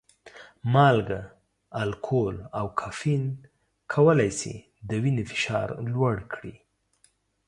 مالګه، الکول او کافین کولی شي د وینې فشار لوړ کړي.